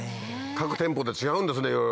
各店舗で違うんですね